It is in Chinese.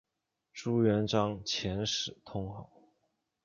朱元璋遣使通好。